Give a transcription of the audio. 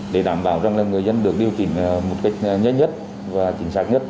để đảm bảo rằng là người dân được điều chỉnh một cách nhanh nhất và chính xác nhất